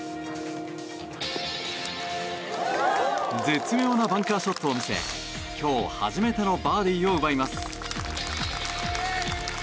絶妙なバンカーショットを見せ今日、初めてのバーディーを奪います。